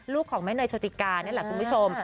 ลูกของแม่เนยโชติกานี่แหละคุณผู้ชม